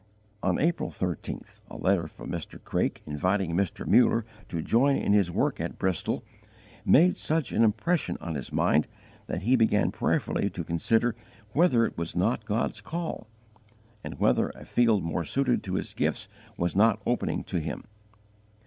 On April 13th a letter from Mr. Craik, inviting Mr. Muller to join in his work at Bristol, made such an impression on his mind that he began prayerfully to consider whether it was not God's call, and whether a field more suited to his gifts was not opening to him.